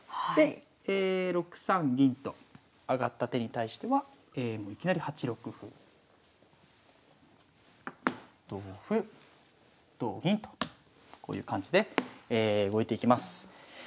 で６三銀と上がった手に対してはもういきなり８六歩同歩同銀とこういう感じで動いていきます。